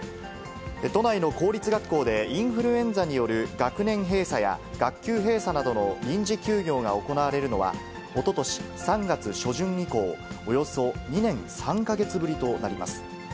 都内の公立学校で、インフルエンザによる学年閉鎖や、学級閉鎖などの臨時休業が行われるのは、おととし３月初旬以降、およそ２年３か月ぶりとなります。